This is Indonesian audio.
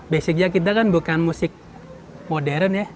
basicnya kita kan bukan musik modern ya